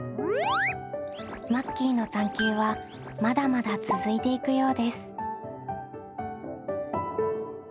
マッキーの探究はまだまだ続いていくようです。